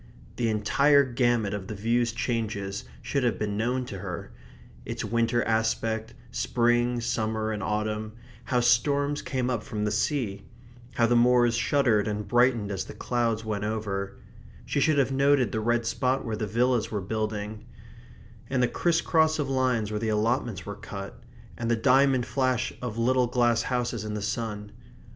The entire gamut of the view's changes should have been known to her; its winter aspect, spring, summer and autumn; how storms came up from the sea; how the moors shuddered and brightened as the clouds went over; she should have noted the red spot where the villas were building; and the criss cross of lines where the allotments were cut; and the diamond flash of little glass houses in the sun.